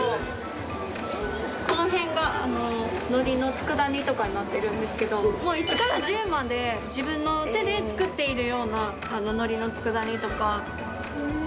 この辺が海苔の佃煮とかになってるんですけど一から十まで自分の手で作っている海苔の佃煮とか。